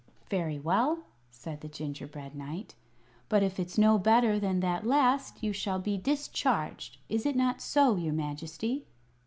"Very well," said the gingerbread knight. "But if it's no better than the last you shall be discharged. Is it not so, your Majesty?"